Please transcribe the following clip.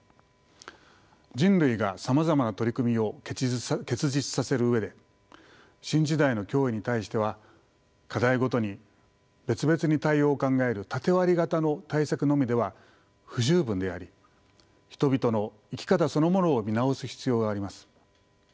人類がさまざまな取り組みを結実させる上で新時代の脅威に対しては課題ごとに別々に対応を考える縦割り型の対策のみでは不十分であり人々の生き方そのものを見直す必要があります。